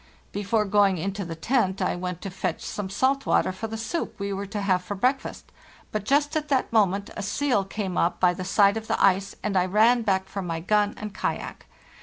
.." Before going into the tent I went to fetch some salt water for the soup we were to have for breakfast; but just at that moment a seal came up by the side of the ice, and I ran back for my gun and kayak.